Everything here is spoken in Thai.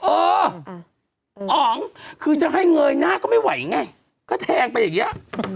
เอออ๋องคือจะให้เงยหน้าก็ไม่ไหวไงก็แทงไปอย่างนี้